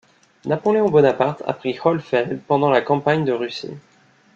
Napoléon Bonaparte a pris Hollfeld pendant la campagne de Russie.